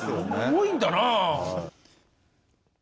重いんだなぁ。